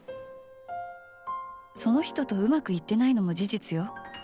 その人とうまくいってないのも事実よ。